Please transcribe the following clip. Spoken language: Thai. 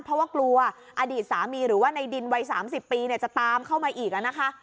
เพราะว่ากลัวอดีตสามีหรือว่าในดินวัย๓๐ปีจะตามเข้ามาอีกนะคะ